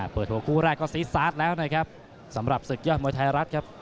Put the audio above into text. เปิดหัวคู่แรกก็ซีซาสแล้วนะครับสำหรับศึกยอดมวยไทยรัฐครับ